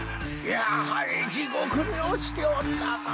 やはり地獄に落ちておったかぁ。